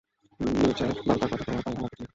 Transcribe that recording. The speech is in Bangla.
নীরজার দরকার কথা কওয়া, তাই আয়াকে চাই।